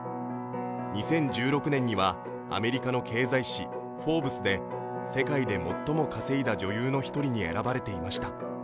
２０１６年にはアメリカの経済誌「フォーブス」で「世界で最も稼いだ女優の一人」に選ばれていました。